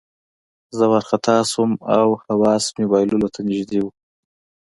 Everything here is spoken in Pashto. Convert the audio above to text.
زه وارخطا شوم او حواس مې بایللو ته نږدې وو